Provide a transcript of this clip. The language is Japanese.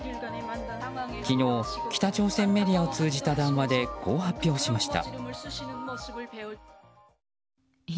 昨日、北朝鮮メディアを通じた談話でこう発表しました。